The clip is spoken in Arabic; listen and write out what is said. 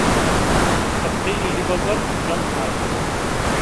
وَقَدْ قِيلَ لِبَزَرْجَمْهَرَ